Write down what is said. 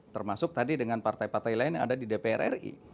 termasuk tadi dengan partai partai lain yang ada di dpr ri